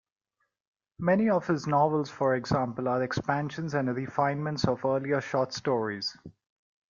Many of his novels, for example, are expansions and refinements of earlier short stories.